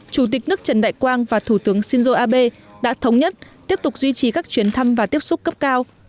chủ tịch nước trần đại quang và thủ tướng shinzo abe đã thống nhất tiếp tục duy trì các chuyến thăm và tiếp xúc cấp cao